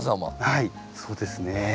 はいそうですね。